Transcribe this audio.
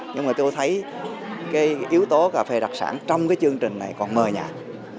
nhưng mà tôi thấy cái yếu tố cà phê đặc sản trong cái chương trình này còn mờ nhạt